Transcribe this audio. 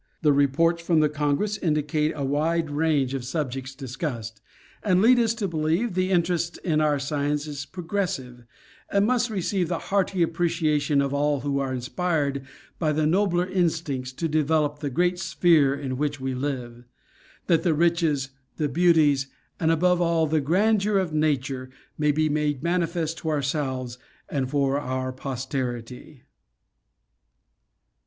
The reports from the Congress indicate a wide range of subjects discussed, and lead us to believe the interest in our science is progressive, and must receive the hearty appreciation of all who are inspired by the nobler instincts to develope the great sphere on which we live ; that the riches, the beauties, and above all the grandeur of Nature, may be made manifest to ourselves and for our posterity.